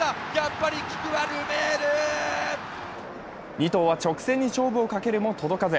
２頭は直線に勝負をかけるも届かず。